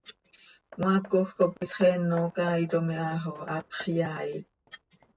Cmaacoj cop isxeen oo caaitom iha xo hapx yaait.